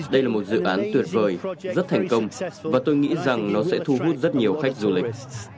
đây là một dự án tuyệt vời rất thành công và tôi nghĩ rằng nó sẽ thu hút rất nhiều khách du lịch